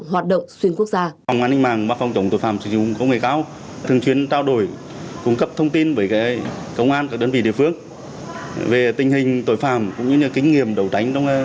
hoạt động xuyên quốc gia